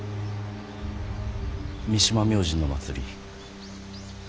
三島明神の祭り。